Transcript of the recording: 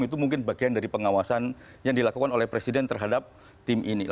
itu mungkin bagian dari pengawasan yang dilakukan oleh presiden terhadap tim ini